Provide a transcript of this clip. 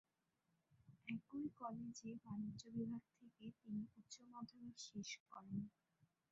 একই কলেজে বাণিজ্য বিভাগ থেকে তিনি উচ্চ-মাধ্যমিক শেষ করেন।